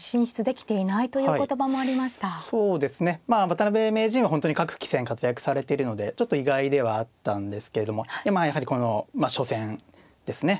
渡辺名人は本当に各棋戦活躍されているのでちょっと意外ではあったんですけれどもまあやはりこの初戦ですね。